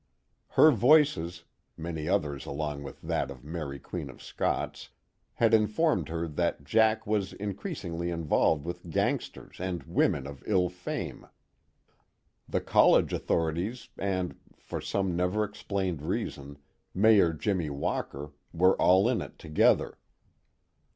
Her voices (many others along with that of Mary Queen of Scots) had informed her that Jack was increasingly involved with gangsters and women of ill fame. The college authorities and, for some never explained reason, Mayor Jimmy Walker, were all in it together.